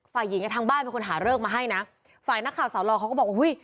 ฝ่ายหญิงอ่ะทางบ้านเป็นคนหาเลิกมาให้นะฝ่ายนักข่าวสาวลอเขาก็บอกอุ้ย